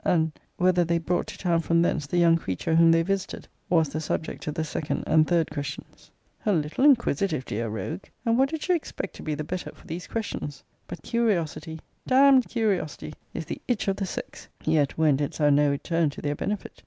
and, 'Whether they brought to town from thence the young creature whom they visited?' was the subject of the second and third questions. A little inquisitive, dear rogue! and what did she expect to be the better for these questions? But curiosity, d d curiosity, is the itch of the sex yet when didst thou know it turned to their benefit?